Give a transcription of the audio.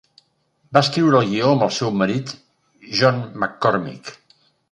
Va escriure el guió amb el seu marit John McCormick.